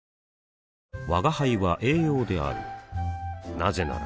なぜなら